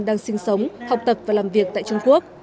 đang sinh sống học tập và làm việc tại trung quốc